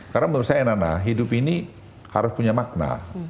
karena menurut saya nana hidup ini harus punya makna